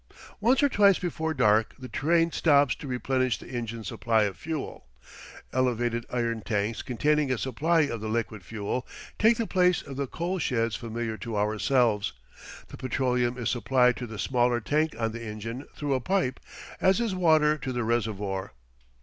Once or twice before dark the train stops to replenish the engine's supply of fuel. Elevated iron tanks containing a supply of the liquid fuel take the place of the coal sheds familiar to ourselves. The petroleum is supplied to the smaller tank on the engine through a pipe, as is water to the reservoir.